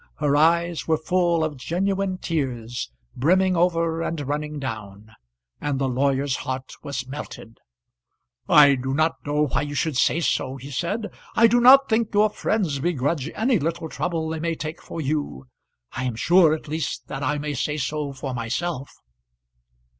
Her eyes were full of genuine tears, brimming over and running down; and the lawyer's heart was melted. "I do not know why you should say so," he said. "I do not think your friends begrudge any little trouble they may take for you. I am sure at least that I may so say for myself."